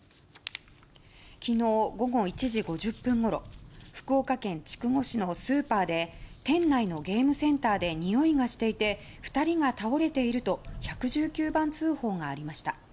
昨日午後１時５０分ごろ福岡県筑後市のスーパーで店内のゲームセンターでにおいがしていて２人が倒れていると１１９番通報がありました。